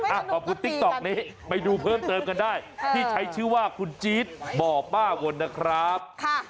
ขอบคุณติ๊กต๊อกนี้ไปดูเพิ่มเติมกันได้ที่ใช้ชื่อว่าคุณจี๊ดบ่อป้าวนนะครับ